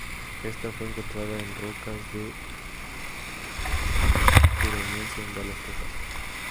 Esta fue encontrada en rocas del Turoniense de Dallas, Texas.